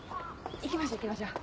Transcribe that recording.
行きましょう行きましょう。